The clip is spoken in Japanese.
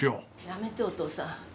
やめてお父さん。